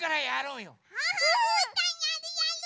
うん！うーたんやるやる！